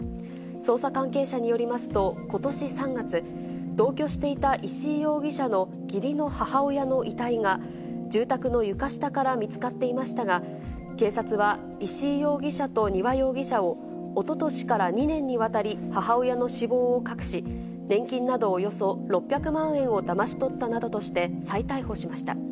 捜査関係者によりますと、ことし３月、同居していた石井容疑者の義理の母親の遺体が、住宅の床下から見つかっていましたが、警察は、石井容疑者と丹羽容疑者を、おととしから２年にわたり、母親の死亡を隠し、年金などおよそ６００万円をだまし取ったなどとして、再逮捕しました。